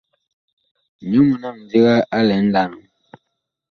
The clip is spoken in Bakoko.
Nyɔ mɔɔn a mindiga a lɛ nlaam.